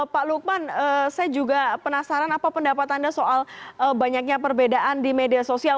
pak lukman saya juga penasaran apa pendapat anda soal banyaknya perbedaan di media sosial